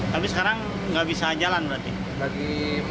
tapi sekarang nggak bisa jalan berarti